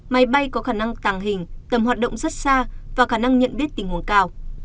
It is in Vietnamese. máy bay có khả năng tàng hình tầm hoạt động rất xa và khả năng nhận biết tình huống cao